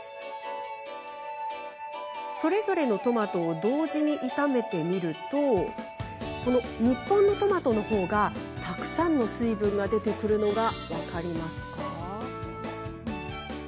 それぞれのトマトを同時に炒めてみると日本のトマトのほうがたくさんの水分が出てくるのが分かります。